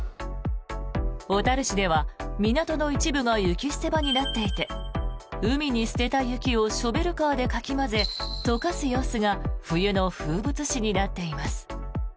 小樽市では港の一部が雪捨て場になっていて海に捨てた雪をショベルカーでかき混ぜ溶かす様子が冬の風物詩になっています。